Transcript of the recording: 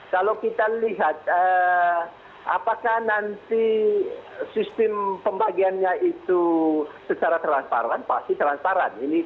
kalau kita lihat apakah nanti sistem pembagiannya itu secara transparan pasti transparan